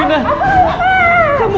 ini anak kamu